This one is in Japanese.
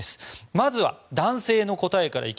まずは男性の答え。